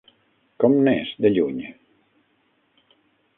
Com n'és, de lluny?